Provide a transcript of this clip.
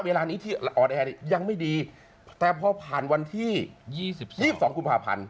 เวลานี้ที่ออนแอร์ยังไม่ดีแต่พอผ่านวันที่๒๒๒กุมภาพันธ์